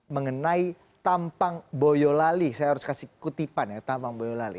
mengenai tampang boyolali saya harus kasih kutipan ya tampang boyolali